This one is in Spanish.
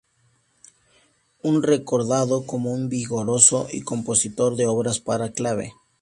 Es recordado como un vigoroso compositor de obras para clave.